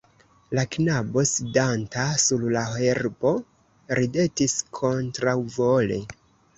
La knabo sidanta sur la herbo ridetis, kontraŭvole.